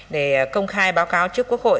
để công khai báo cáo trước quốc hội